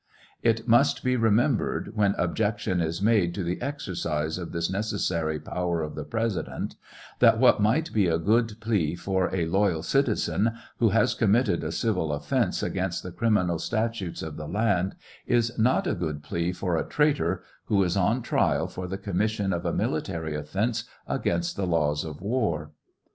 It must be remembered when objection is made to the exercise of this necessary power of the President, that what might be a good plea for a loyal citizen, who has committed a civil offence against the criminal statutes of the land, is not a good plea for a traitor who is on trial for the commission of a military o£Fence against the laws of war.